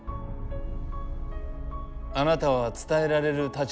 あなたは伝えられる立場にあった。